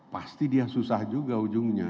pasti dia susah juga ujungnya